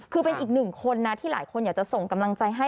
คือเป็นอีกหนึ่งคนนะที่หลายคนอยากจะส่งกำลังใจให้